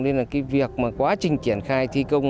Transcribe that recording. nên là cái việc mà quá trình triển khai thi công